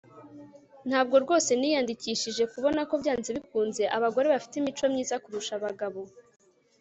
Ntabwo rwose niyandikishije kubona ko byanze bikunze abagore bafite imico myiza kurusha abagabo